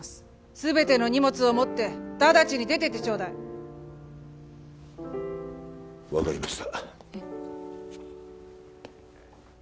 全ての荷物を持ってただちに出てってちょうだい分かりました